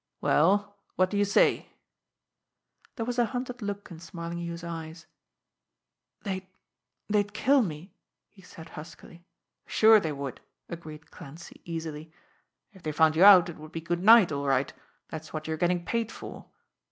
Well, what do you say?" There was a hunted look in Smarlinghue's eyes. "They'd they'd kill me," he said huskily. "Sure, they would!" agreed Clancy easily. "If they found you out it would be good night, all right that's what you're getting paid for.